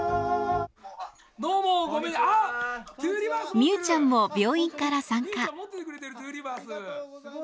みうちゃんも病院から参加。